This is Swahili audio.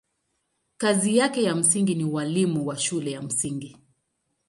Kazi yake ya msingi ni ualimu wa shule ya msingi.